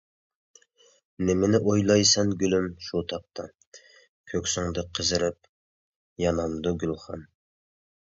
نېمىنى ئويلايسەن گۈلۈم شۇ تاپتا، كۆكسۈڭدە قىزىرىپ يانامدۇ گۈلخان.